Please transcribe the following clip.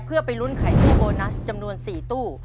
เพื่อไปล้นไขทุครัวโบนัสจำนวนสี่ตู้